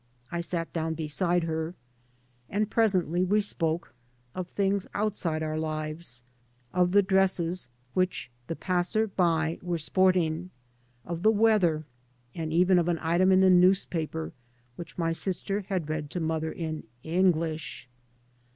I sat down beside her. And presently we spoke, of things outside our lives, of the dresses which the passers by were sporting, of the weather, and even of an item in the news paper, which my sister had read to mother in English.